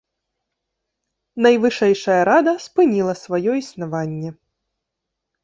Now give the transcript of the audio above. Найвышэйшая рада спыніла сваё існаванне.